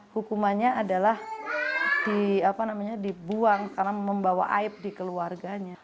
hukumannya adalah dibuang karena membawa aib di keluarganya